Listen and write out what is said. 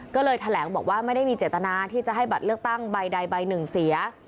ก็เลยแถลงบอกว่าไม่ได้มีเจตนาที่จะให้บัตรเลือกตั้งใบใดใบหนึ่งเสีย